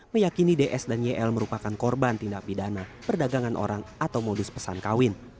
meyakini ds dan yl merupakan korban tindak pidana perdagangan orang atau modus pesan kawin